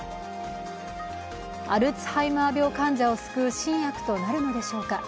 アルツハイマー病患者を救う新薬となるのでしょうか。